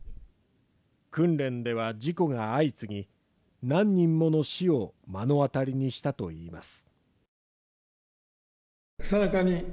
訓練では事故が相次ぎ何人もの死を目の当たりにしたといいます。